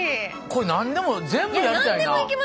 これ何でも全部やりたいな。